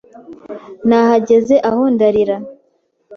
Nahagaze aho ndarira!